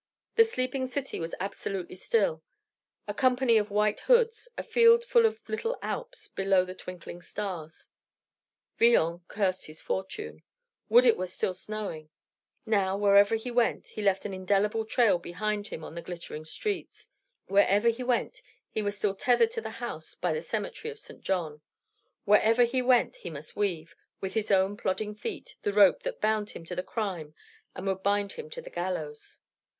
The sleeping city was absolutely still: a company of white hoods, a field full of little Alps, below the twinkling stars. Villon cursed his fortune. Would it were still snowing! Now, wherever he went he left an indelible trail behind him on the glittering streets; wherever he went he was still tethered to the house by the cemetery of St. John; wherever he went he must weave, with his own plodding feet, the rope that bound him to the crime and would bind him to the gallows.